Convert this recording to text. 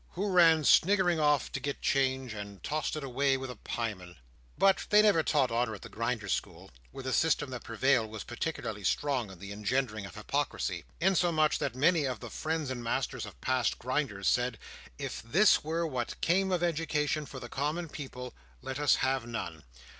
Who ran sniggering off to get change, and tossed it away with a pieman. But they never taught honour at the Grinders' School, where the system that prevailed was particularly strong in the engendering of hypocrisy. Insomuch, that many of the friends and masters of past Grinders said, if this were what came of education for the common people, let us have none.